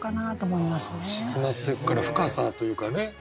沈まってくから深さというかね